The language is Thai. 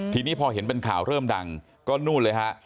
ทีนี้พอเห็นเป็นข่าวเริ่มดังก็นู่นเลยฮะ